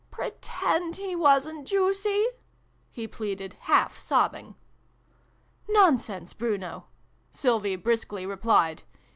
" Pretend he wasn't juicy !" he pleaded, half sobbing. " Nonsense, Bruno !" Sylvie briskly replied.